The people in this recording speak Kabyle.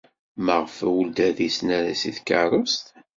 Maɣef ur d-risen ara seg tkeṛṛust?